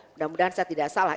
mudah mudahan saya tidak salah